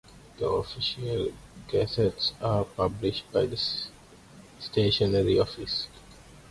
The official Gazettes are published by The Stationery Office.